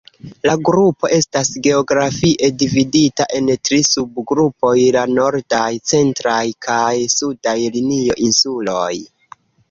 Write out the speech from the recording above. La grupo estas geografie dividita en tri subgrupoj; La Nordaj, Centraj, kaj Sudaj Linio-Insuloj.